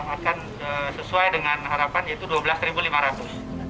akan sesuai dengan harapan yaitu rp dua belas lima ratus